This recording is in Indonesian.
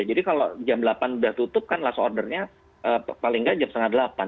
jadi kalau jam delapan sudah tutup kan last ordernya paling tidak jam setengah delapan